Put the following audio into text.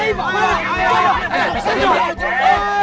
ini punya warga ipah